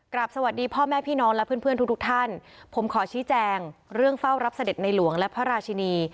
สวัสดีพ่อแม่พี่น้องและเพื่อนเพื่อนทุกทุกท่านผมขอชี้แจงเรื่องเฝ้ารับเสด็จในหลวงและพระราชินี